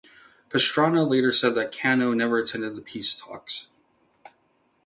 Pastrana later said that Cano never attended the peace talks.